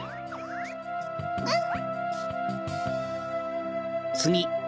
うん！